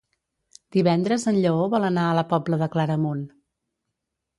Divendres en Lleó vol anar a la Pobla de Claramunt.